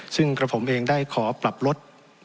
ซึ่งผมได้ขอปรับลด